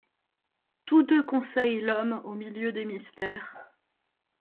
Tous deux conseillent l'homme au milieu des mystères